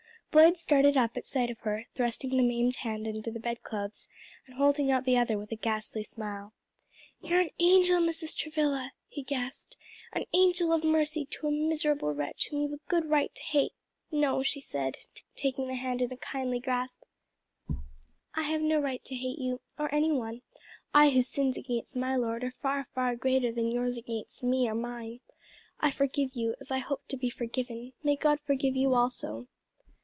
Boyd started up at sight of her, thrusting the maimed hand under the bedclothes, and holding out the other with a ghastly smile. "You're an angel, Mrs. Travilla!" he gasped, "an angel of mercy to a miserable wretch whom you've a good right to hate." "No," she said, taking the hand in a kindly grasp, "I have no right to hate you, or any one I whose sins against my Lord are far, far greater than yours against me or mine. I forgive you, as I hope to be forgiven. May God forgive you also."